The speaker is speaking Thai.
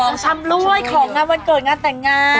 ของชำรวยของงานวันเกิดงานแต่งงาน